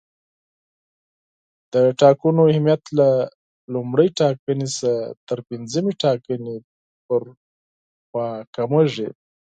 د ټاکنو اهمیت له لومړۍ ټاکنې څخه تر پنځمې ټاکنې پر لور کمیږي.